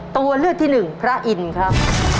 ตัวเลือกที่หนึ่งพระอินทร์ครับ